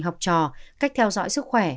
học trò cách theo dõi sức khỏe